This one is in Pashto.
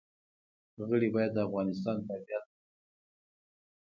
غړي باید د افغانستان تابعیت ولري.